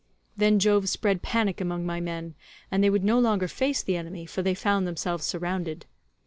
Then Jove spread panic among my men, and they would no longer face the enemy, for they found themselves surrounded.